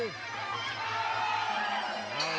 เออ